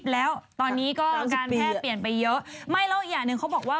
แล้วตอนนี้ก็การแพร่เปลี่ยนไปเยอะไม่แล้วอีกอย่างหนึ่งเขาบอกว่า